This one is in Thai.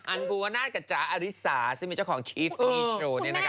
อันภูวนาศกับจ๋าอริสาซึ่งเป็นเจ้าของชีฟนี้โชว์เนี่ยนะครับ